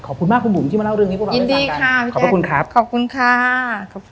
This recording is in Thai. ขอบคุณมากคุณบุ๋มที่มาเล่าเรื่องนี้พวกเราได้ทางกันขอบพระคุณครับ